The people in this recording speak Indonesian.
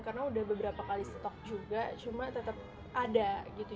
karena udah beberapa kali stok juga cuma tetap ada gitu